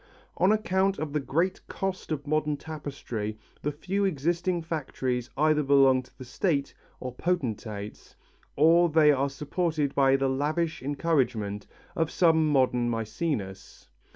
On account of the great cost of modern tapestry the few existing factories either belong to the State or potentates, or they are supported by the lavish encouragement of some modern Mæcenas.